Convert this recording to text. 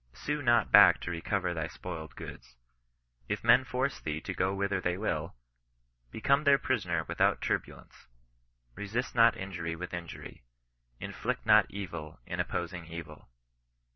Sue not back to recover thy spoiled goods. If men force thee to go whither they will, become their prisoner without tur bulence. Resist not injury with injury. Inflict not evil in opposing evil.